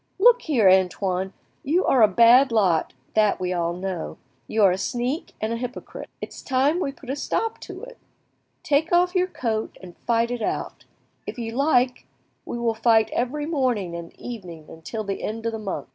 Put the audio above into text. "Look here, Antoine, you are a bad lot, that we all know; you are a sneak and a hypocrite. It's time we put a stop to it. Take off your coat and fight it out. If you like, we will fight every morning and evening till the end of the month."